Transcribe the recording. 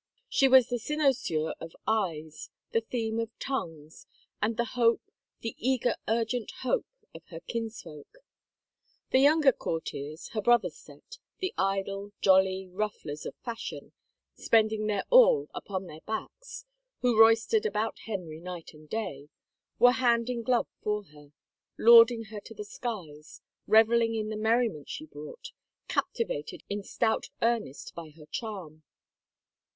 She was the cynosure of eyes, the theme of tongues, and the hope, the eager, urgent hope of her kinsfolk. The younger courtiers, her brother's set, the idle, jolly rufflers of fashion, spending their all upon their backs, who roistered about Henry night and day, were hand in glove for her, lauding her to the skies, reveling in the merri ment she brought, captivated in stout earnest by her charm.